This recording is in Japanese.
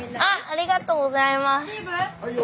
ありがとうございます。